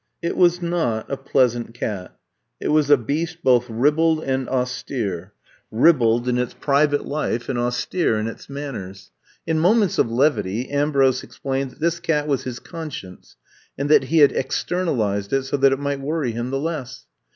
It was not a pleasant 8 I'VE COMB TO STAY » cat ; it was a beast both ribald and austere ; ribald in its private life and austere in its manners. In moments of levity Ambrose explained that this cat was his conscience and that he had externalized it so that it might worry him the less.